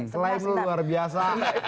slime lu luar biasa